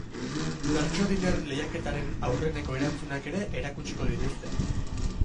Bertsodinner lehiaketaren aurreneko erantzunak ere erakutsiko dituzte.